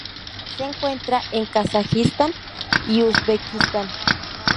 Se encuentra en Kazajistán y Uzbekistán.